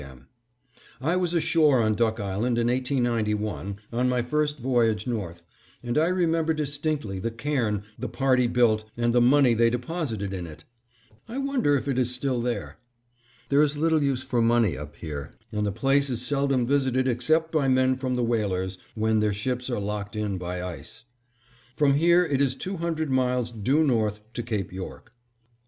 M. I was ashore on Duck Island in 1891, on my first voyage north, and I remember distinctly the cairn the party built and the money they deposited in it. I wonder if it is still there? There is little use for money up here, and the place is seldom visited except by men from the whalers, when their ships are locked in by ice. From here it is two hundred miles due north to Cape York.